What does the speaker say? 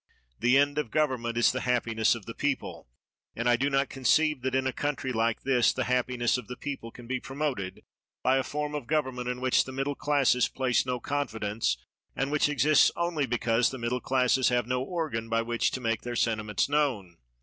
The end of government is the happiness of the people, and I do not conceive that, in a country like this, the happiness of the people can be promoted by a form of government in which the middle classes place no confidence, and which exists only because the middle classes have no organ by which to make their sentiments known.